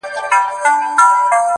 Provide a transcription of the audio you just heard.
ورته اور هم پاچهي هم یې وطن سو،